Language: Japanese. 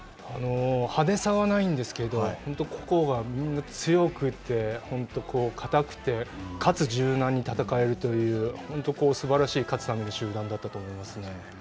派手さはないんですけど本当に個々がみんな強くて、堅くて、かつ柔軟に戦えるという本当にすばらしい勝つための集団だったと思いますね。